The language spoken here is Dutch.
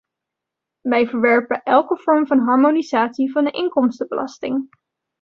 Wij verwerpen elke vorm van harmonisatie van de inkomstenbelasting.